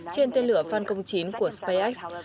trên tên lửa phan công chín của spacex